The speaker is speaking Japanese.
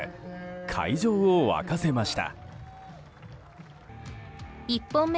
会場を沸かせました。